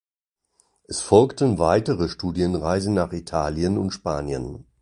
Es folgten weitere Studienreisen nach Italien und Spanien.